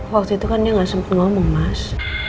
waktu itu kan dia nggak sempat ngomong mas